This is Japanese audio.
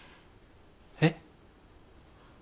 えっ？